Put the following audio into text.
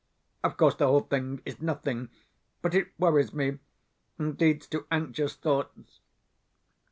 Of course the whole thing is nothing, but it worries me, and leads to anxious thoughts.